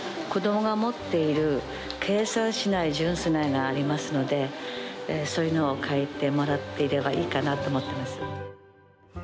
子供が持っている計算しない純粋な絵がありますのでそういうのを描いてもらっていればいいかなと思ってます。